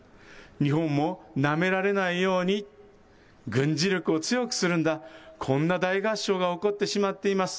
日本もなめらないように軍事力を強くするんだこんな大合唱が起こってしまっています。